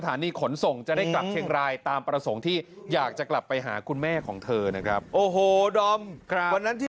ตอนนี้ให้ไปกินข้าวกับลูกแล้วก็ครับกลับบ้านแล้วก็แฟนไม่ดีก็เลิกซ้า